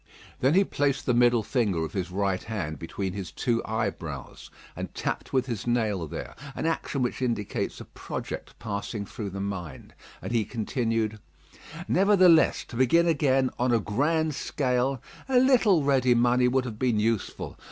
Then he placed the middle finger of his right hand between his two eyebrows, and tapped with his nail there, an action which indicates a project passing through the mind, and he continued: "Nevertheless, to begin again, on a grand scale, a little ready money would have been useful.